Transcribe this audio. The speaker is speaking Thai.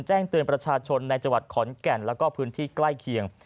แจ้งเตือนประชาชนในจังหวัดขอนแก่นแล้วก็พื้นที่ใกล้เคียง